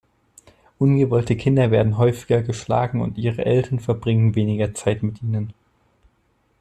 Ungewollte Kinder werden häufiger geschlagen und ihre Eltern verbringen weniger Zeit mit ihnen.